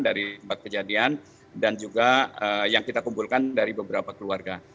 dari empat kejadian dan juga yang kita kumpulkan dari beberapa keluarga